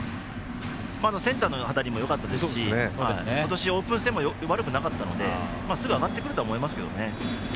センターの当たりもよかったですし今年、オープン戦でも悪くなかったのですぐ上がってくると思いますけどね。